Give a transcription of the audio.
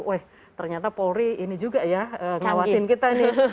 weh ternyata polri ini juga ya ngawasin kita nih